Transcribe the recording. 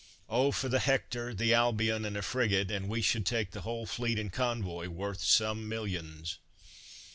O, for the Hector, the Albion, and a frigate, and we should take the whole fleet and convoy, worth some millions!